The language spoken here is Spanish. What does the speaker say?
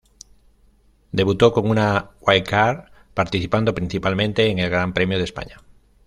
Debutó con una wildcard participando principalmente en el Gran Premio de España.